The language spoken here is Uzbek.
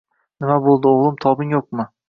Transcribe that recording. - Nima bo'ldi o'g'lim, tobing yo'qmi?